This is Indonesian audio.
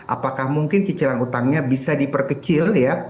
apakah mungkin cicilan utangnya bisa diperkecil ya